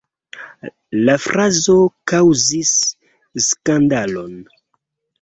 La frazo kaŭzis skandalon.